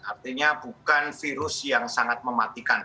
artinya bukan virus yang sangat mematikan